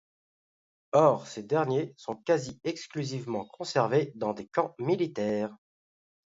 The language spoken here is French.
Or ces derniers sont quasi exclusivement conservés dans les camps militaires.